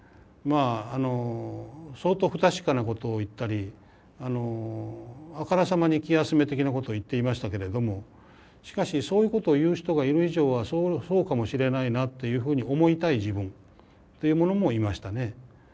まああの相当不確かなことを言ったりあからさまに気休め的なことを言っていましたけれどもしかしそういうことを言う人がいる以上はそうかもしれないなというふうに思いたい自分っていうものもいましたね。